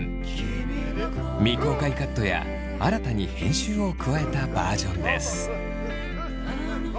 今回は未公開カットや新たに編集を加えたバージョンです。